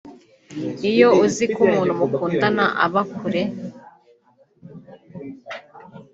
Iyo uziko umuntu mukundana aba kure